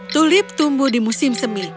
tulip tumbuh di musim semi